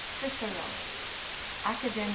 [Cicero, Acad., i.